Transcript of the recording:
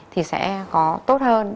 thì sẽ có tốt hơn